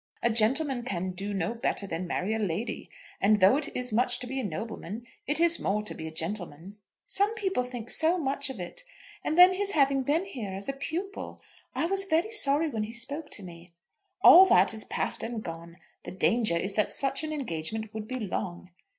A gentleman can do no better than marry a lady. And though it is much to be a nobleman, it is more to be a gentleman." "Some people think so much of it. And then his having been here as a pupil! I was very sorry when he spoke to me." "All that is past and gone. The danger is that such an engagement would be long."